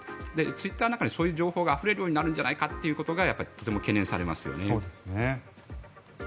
ツイッターの中にそういう情報があふれるんじゃないかということがとても懸念されますよね。